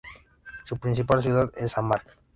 Su principal ciudad es Armagh.